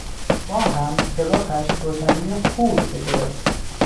ماهم که رخش روشنی خور بگرفت